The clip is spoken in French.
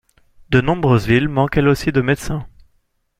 De nombreuses villes manquent elles aussi de médecins.